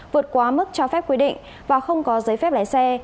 vượt quá mức cho phép quy định và không có giấy phép lái xe